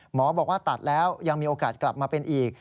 หมอบอกว่าตัดแล้วยังมีโอกาสกลับมาเป็นอีก